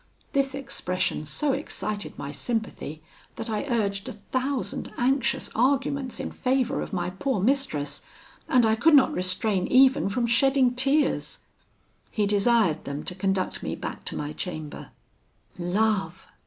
This expression so excited my sympathy, that I urged a thousand anxious arguments in favour of my poor mistress, and I could not restrain even from shedding tears. "He desired them to conduct me back to my chamber. 'Love!